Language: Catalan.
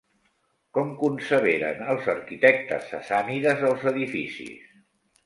Com conceberen els arquitectes sassànides els edificis?